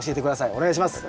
お願いします。